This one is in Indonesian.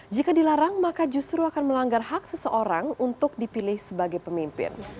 jika dilarang maka justru akan melanggar hak seseorang untuk dipilih sebagai pemimpin